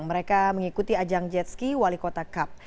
mereka mengikuti ajang jetski wali kota cup